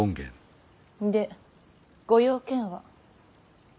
でご用件は。